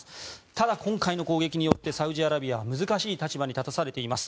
ただ今回の攻撃によってサウジアラビアは難しい立場に立たされています。